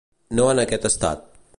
No en aquest estat.